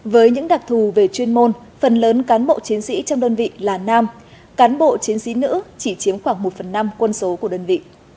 với những đặc thù về chuyên môn phần lớn cán bộ chiến sĩ trong đơn vị là nam cán bộ chiến sĩ nữ chỉ chiếm khoảng một phần năm quân số của đơn vị